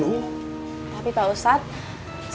tapi pak ustadz